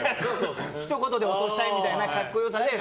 ひと言で落としたいみたいな格好よさで。